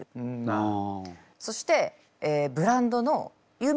ああ。